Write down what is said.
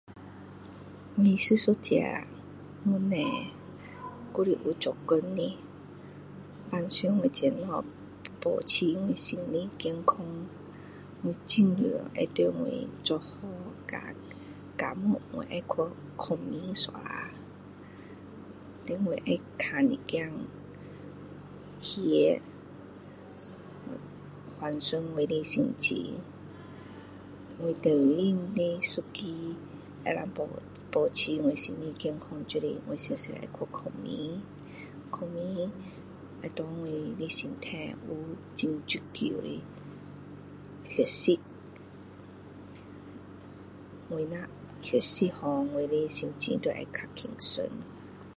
我是一个母亲还是有做工的平常我怎样补清心理健康我尽量会在我做好家务我会去睡觉一下另外会看一点戏放松我的心情我最要紧的一个可以帮助我心理健康就是我得去睡觉睡觉会帮助给我身体最重要的休息我若休息好我的心情就会较轻松